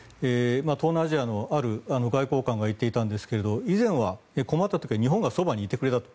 東南アジアのある外交官が言っていたんですが以前は困った時は日本がそばにいてくれたと。